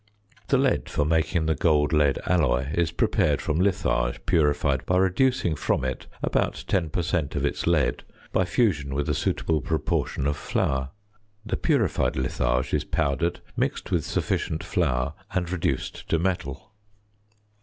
The lead for making the gold lead alloy is prepared from litharge purified by reducing from it about 10 per cent. of its lead by fusion with a suitable proportion of flour; the purified litharge is powdered, mixed with sufficient flour and reduced to metal.